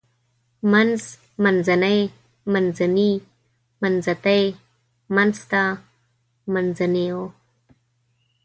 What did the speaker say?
منځ منځنۍ منځني منځتی منځته منځنيو